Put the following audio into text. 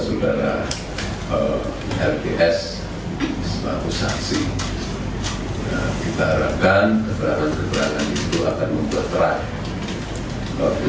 saudara rts sebab usahasi kita harapkan keberangan keberangan itu akan memperterai